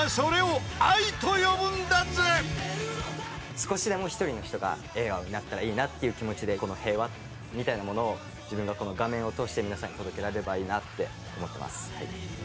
少しでも一人の人が笑顔になったらいいなっていう気持ちでこの平和みたいなものを自分がこの画面を通して皆さんに届けられればいいなって思ってます。